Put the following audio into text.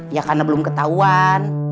ya karena belum ketauan